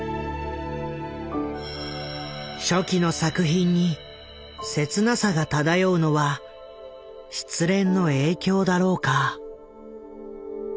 初期の作品に切なさが漂うのは失恋の影響だろうか。